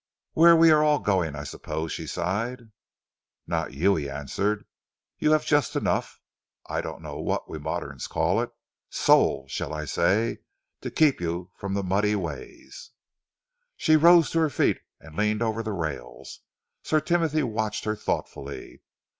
"Where we are all going, I suppose," she sighed. "Not you," he answered. "You have just enough I don't know what we moderns call it soul, shall I say? to keep you from the muddy ways." She rose to her feet and leaned over the rails. Sir Timothy watched her thoughtfully.